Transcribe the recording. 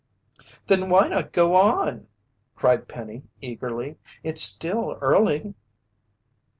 "Then why not go on?" cried Penny eagerly. "It's still early."